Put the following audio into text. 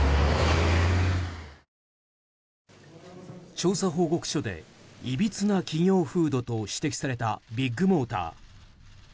調査報告書でいびつな企業風土と指摘されたビッグモーター。